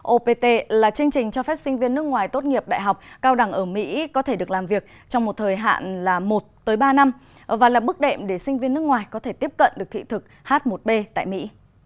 opt là chương trình cho phép sinh viên nước ngoài tốt nghiệp đại học cao đẳng ở mỹ có thể được làm việc trong một thời hạn là một ba năm và là bước đệm để sinh viên nước ngoài có thể tiếp cận được thị thực h một b tại mỹ